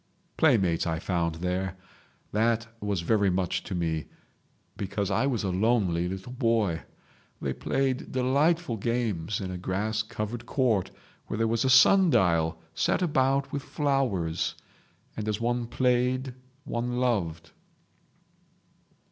"Playmates I found there. That was very much to me, because I was a lonely little boy. They played delightful games in a grass covered court where there was a sun dial set about with flowers. And as one played one loved